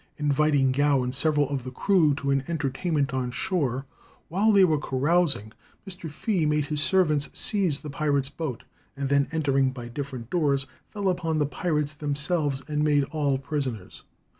Inviting Gow and several of the crew to an entertainment on shore, while they were carousing Mr. Fea made his servants seize the pirates' boat, and then entering by different doors, fell upon the pirates themselves, and made all prisoners.